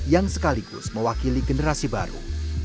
yang sekaligus mewakili generasi baru